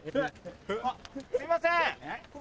すいません！